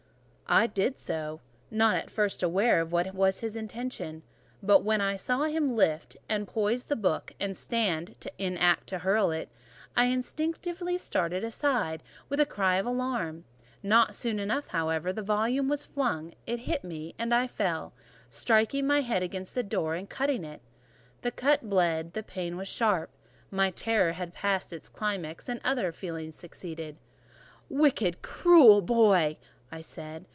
I did so, not at first aware what was his intention; but when I saw him lift and poise the book and stand in act to hurl it, I instinctively started aside with a cry of alarm: not soon enough, however; the volume was flung, it hit me, and I fell, striking my head against the door and cutting it. The cut bled, the pain was sharp: my terror had passed its climax; other feelings succeeded. "Wicked and cruel boy!" I said.